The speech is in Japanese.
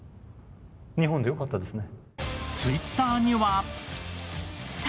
日本でよかったですね。